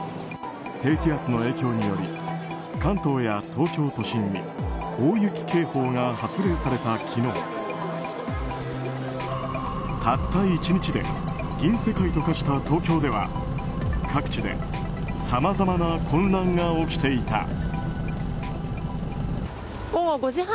低気圧の影響により関東や東京都心に大雪警報が発令された昨日たった１日で銀世界と化した東京では各地でさまざまな混乱が起きていた。